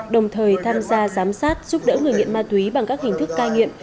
đồng thời tham gia giám sát giúp đỡ người nghiện ma túy bằng các hình thức cai nghiện